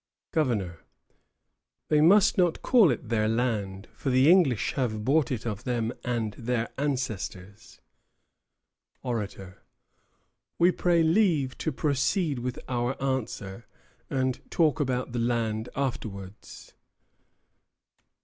GOVERNOR. They must not call it their land, for the English have bought it of them and their ancestors. ORATOR. We pray leave to proceed with our answer, and talk about the land afterwards.